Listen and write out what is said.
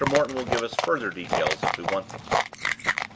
Morton will give us further details if we want them."